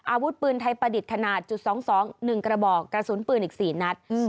อาวุธปืนไทยประดิษฐ์ขนาดจุด๒๒๑กระบอกกระสุนปืนอีก๔นัด